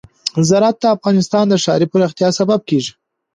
زراعت د افغانستان د ښاري پراختیا سبب کېږي.